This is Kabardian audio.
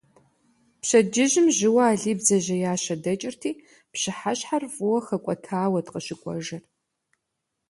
Пщэдджыжьым жьыуэ Алий бдзэжьеящэ дэкӏырти, пщыхьэщхьэр фӏыуэ хэкӏуэтауэт къыщыкӏуэжыр.